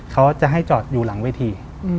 เขาจะให้จอดอยู่หลังเวที